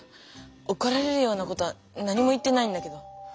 おこられるようなことは何も言ってないんだけど。